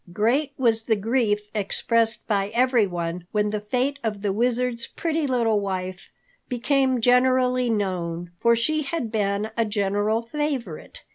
Great was the grief expressed by everyone when the fate of the Wizard's pretty little wife became generally known, for she had been a general favorite.